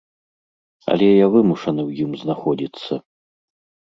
Але я вымушаны ў ім знаходзіцца.